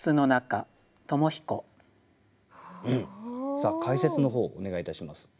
さあ解説の方お願いいたします。